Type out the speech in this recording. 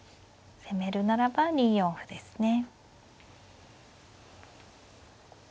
攻めるならば２四歩ですね。